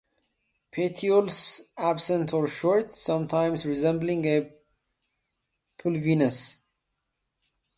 Petioles absent or short, sometimes resembling a pulvinus.